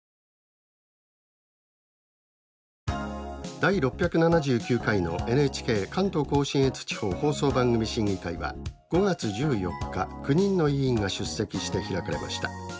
第６７９回のＮＨＫ関東甲信越地方放送番組審議会は５月１４日９人の委員が出席して開かれました。